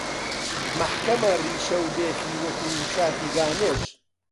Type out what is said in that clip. مەحکەمە ڕیشە و بێخی وەکوو شاخی گامێش